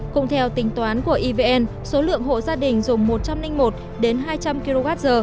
cũng theo tính toán của evn số lượng hộ gia đình dùng một trăm linh một đến hai trăm linh kwh